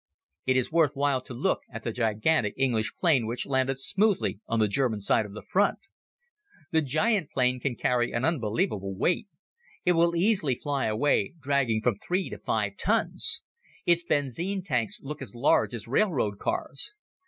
It is worth while to look at the gigantic English plane which landed smoothly on the German side of the front. The giant plane can carry an unbelievable weight. It will easily fly away dragging from three to five tons. Its benzine tanks look as large as railroad cars.